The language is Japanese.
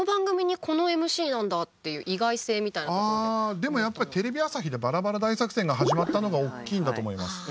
でもやっぱりテレビ朝日で「バラバラ大作戦」が始まったのが大きいんだと思います。